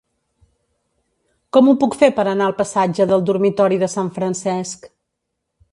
Com ho puc fer per anar al passatge del Dormitori de Sant Francesc?